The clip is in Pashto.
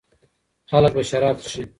خلګ به شراب څښي.